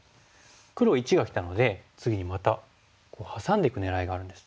黒①がきたので次にまたハサんでいく狙いがあるんです。